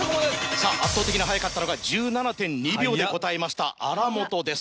さぁ圧倒的に早かったのが１７．２秒で答えました荒本です。